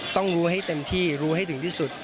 ต้องรู้ให้เต็มที่รู้ให้ถึงที่สุด